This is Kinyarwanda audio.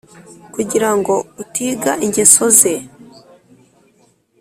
kugira ngo utiga ingeso ze